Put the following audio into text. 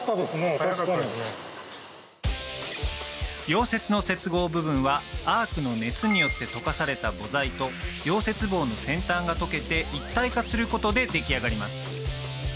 溶接の接合部分はアークの熱によって溶かされた母材と溶接棒の先端が溶けて一体化することで出来上がります